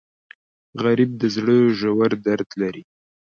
غریب د زړه ژور درد لري